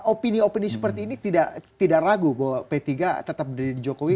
opini opini seperti ini tidak ragu bahwa p tiga tetap berdiri di jokowi